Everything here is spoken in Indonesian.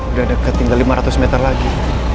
udah dekat tinggal lima ratus meter lagi